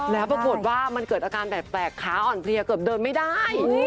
แล้วปรากฏว่ามันเกิดอาการแปลกขาอ่อนเพลียเกือบเดินไม่ได้